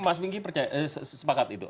mas bingky sepakat itu